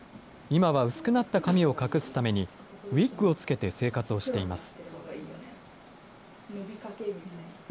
今は薄くなった髪を隠すために、ウィッグをつけて生活をしています。